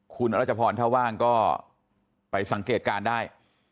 คุณรัชพรถ้าว่างก็ไปสังเกตการณ์ได้